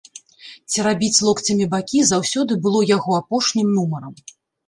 Церабіць локцямі бакі заўсёды было яго апошнім нумарам.